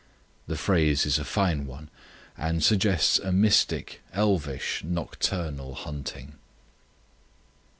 The phrase is a fine one, and suggests a mystic, elvish, nocturnal hunting.